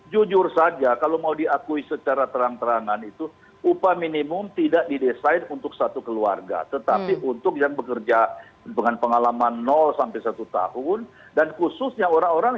jujur saja kalau mau diakui secara terang terangan itu upah minimum tidak didesain untuk satu keluarga tetapi untuk yang bekerja dengan pengalaman sampai satu tahun dan khususnya orang orang